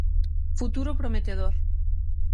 Futuro prometedor.